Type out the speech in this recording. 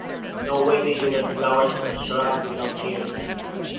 No wedding without flowers or shroud without tears.